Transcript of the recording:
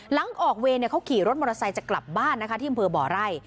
หลังออกเวย์เนี่ยเข้าขี่รถมอเตอร์ไซค์จะกลับบ้านนะคะที่มือบ่อไร้